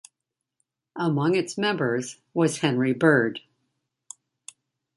Among its members was Henry Bird.